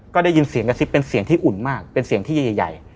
ก็ได้ยินเสียงกระซิบเป็นเสียงที่อุ่นมากเป็นเสียงที่ใหญ่